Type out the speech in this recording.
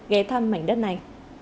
ghé thăm mảnh đất này